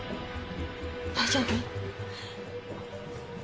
大丈夫？